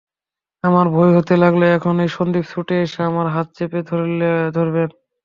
আমার ভয় হতে লাগল এখনই সন্দীপ ছুটে এসে আমার হাত চেপে ধরবেন।